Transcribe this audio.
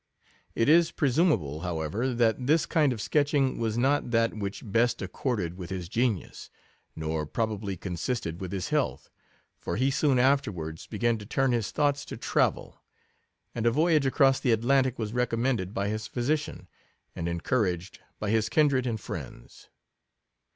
It is presumable, however, that this kind of sketching was not that which best accorded with his genius, nor probably consisted with his health ; for he soon afterwards began to turn his thoughts to travel, and a voyage across the Atlantic was recommended by his physician, and en couraged by his kindred and friends.